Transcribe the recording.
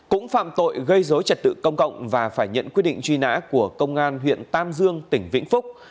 cũng phạm tội gây dối trật tự công cộng và phải nhận quyết định truy nã của công an huyện tam dương tỉnh vĩnh phúc